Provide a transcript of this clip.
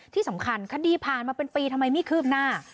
ที่สำคัญคดีผ่านมาเป็นปีทำไมไม่คืบหน้า